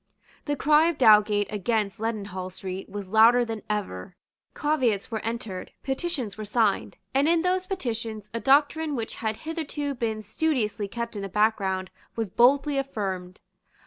The cry of Dowgate against Leadenhall Street was louder than ever. Caveats were entered; petitions were signed; and in those petitions a doctrine which had hitherto been studiously kept in the background was boldly affirmed.